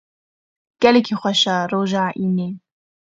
Gelekî xweş e, roja înê.